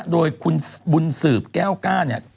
โดยคุณบุญสืบแก้วก้าเนี่ย